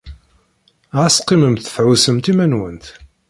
Ɣas qqimemt tɛussemt iman-nwent.